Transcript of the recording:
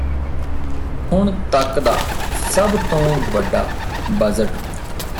ਹੁਣ ਤੱਕ ਦਾ ਸਭ ਤੋਂ ਵੱਡਾ ਬਜ਼ਟ